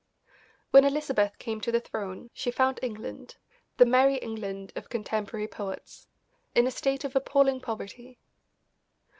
When Elizabeth came to the throne she found England, the Merrie England of contemporary poets, in a state of appalling poverty.